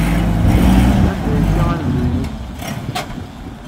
Anda ay yekka anebdu-nnes?